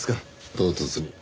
唐突に。